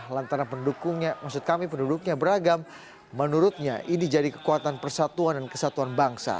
lantaran pendukungnya beragam menurutnya ini jadi kekuatan persatuan dan kesatuan bangsa